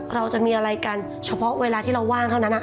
เราจะมีอะไรกันเฉพาะเวลาที่เราว่างเท่านั้น